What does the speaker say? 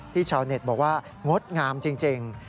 ชาวเน็ตบอกว่างดงามจริง